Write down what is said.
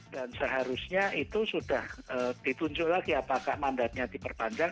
dan seharusnya itu sudah ditunjuk lagi apakah mandatnya diperpanjang